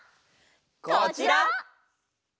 こちら！